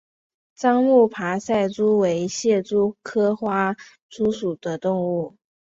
樟木爬赛蛛为蟹蛛科花蛛属的动物。